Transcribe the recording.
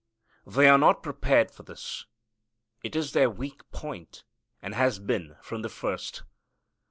They are not prepared for this. It is their weak point, and has been from the first.